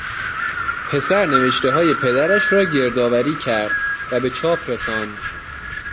پسر نوشتههای پدرش را گردآوری کرد و به چاپ رساند.